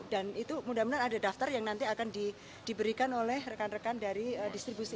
dan itu mudah mudahan ada daftar yang nanti akan diberikan oleh rekan rekan dari distribusi